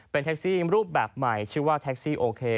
เป็นแท็กซี่รูปแบบใหม่ชื่อว่าแท็กซี่โอเค